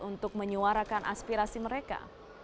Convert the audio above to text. untuk menyuarakan aspirasi mereka